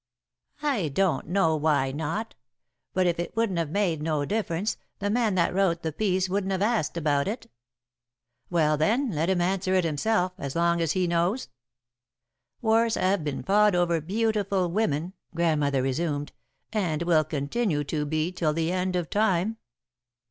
"I don't know why not, but if it wouldn't have made no difference, the man that wrote the piece wouldn't have asked about it." "Well, then, let him answer it himself, as long as he knows." "'Wars have been fought over beautiful women,'" Grandmother resumed, "'and will continue to be till the end of time.'"